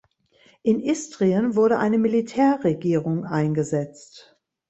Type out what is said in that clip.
In Istrien wurde eine Militärregierung eingesetzt.